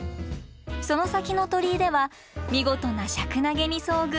その先の鳥居では見事な石楠花に遭遇。